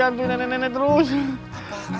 kamu akan menderita